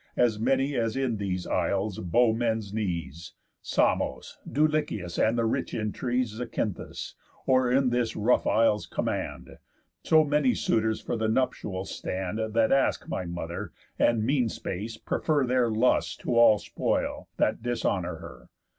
As many as in these isles bow men's knees, Samos, Dulichius, and the rich in trees Zacynthus, or in this rough isle's command, So many suitors for the nuptials stand, That ask my mother, and, mean space, prefer Their lusts to all spoil, that dishonour her.